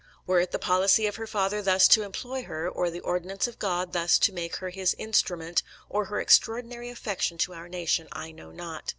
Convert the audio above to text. Were it the policy of her father thus to employ her, or the ordinance of God thus to make her his instrument, or her extraordinary affection to our nation, I know not.